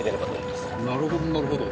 なるほどなるほど。